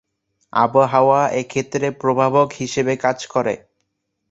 আবহাওয়া এক্ষেত্রে প্রভাবক হিসেবে কাজ করে।